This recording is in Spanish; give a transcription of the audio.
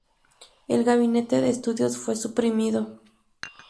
El Gabinete de Estudios fue suprimido.